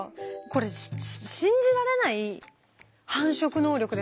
これ信じられない繁殖能力ですよね？